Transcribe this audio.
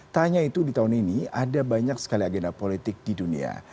tak hanya itu di tahun ini ada banyak sekali agenda politik di dunia